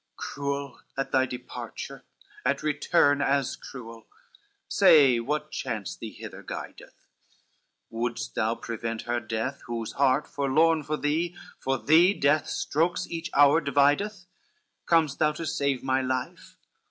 CXXXI "Cruel at thy departure, at return As cruel, say, what chance thee hither guideth, Would'st thou prevent her death whose heart forlorn For thee, for thee death's strokes each hour divideth? Com'st thou to save my life?